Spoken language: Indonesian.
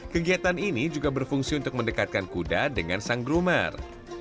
kegiatan ini juga berfungsi untuk mendekatkan kuda dengan sang groomer